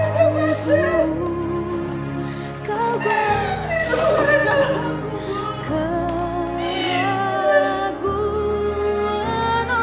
sampai jumpa di video selanjutnya